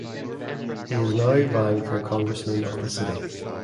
He is now vying for congressman of the city.